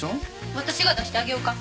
私が出してあげようか？